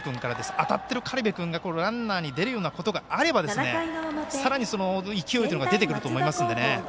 当たっている苅部君がランナーに出るようなことがあればさらに勢いというのが出てくると思いますのでね。